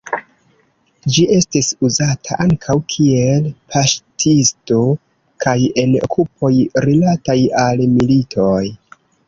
Ĝi estis uzata ankaŭ kiel paŝtisto kaj en okupoj rilataj al militoj.